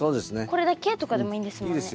これだけとかでもいいんですもんね？